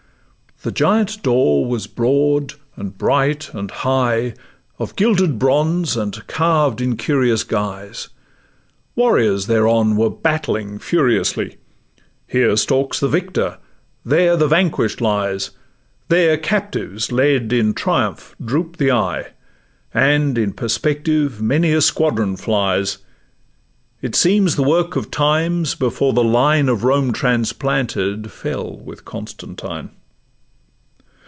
The giant door was broad, and bright, and high, Of gilded bronze, and carved in curious guise; Warriors thereon were battling furiously; Here stalks the victor, there the vanquish'd lies; There captives led in triumph droop the eye, And in perspective many a squadron flies: It seems the work of times before the line Of Rome transplanted fell with Constantine.